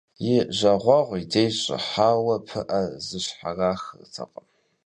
И жагъуэгъу и деж щӀыхьауэ пыӀэ зыщхьэрахыртэкъым.